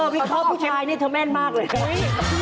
พี่คอบพี่ชายเธอแม่นมากเลย